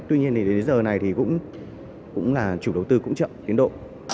tuy nhiên đến giờ này thì cũng là chủ đầu tư cũng chậm đến độ